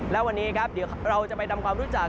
และวันนี้ครับเดี๋ยวเราจะไปทำความรู้จัก